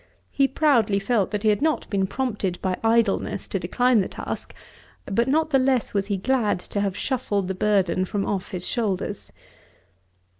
He proudly felt that he had not been prompted by idleness to decline the task; but not the less was he glad to have shuffled the burden from off his shoulders.